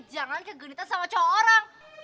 jangan kegenitan sama cowok orang